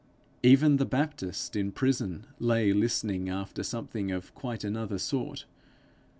Even the Baptist in prison lay listening after something of quite another sort.